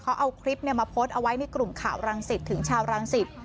เขาเอาคลิปมาโพสต์เอาไว้ในกลุ่มข่าวรังสิตถึงชาวรังสิต